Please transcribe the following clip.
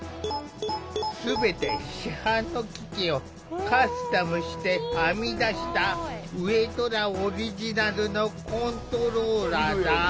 全て市販の機器をカスタムして編み出した上虎オリジナルのコントローラーだ。